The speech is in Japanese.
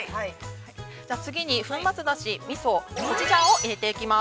次に粉末だし、みそ、コチュジャンを入れていきます。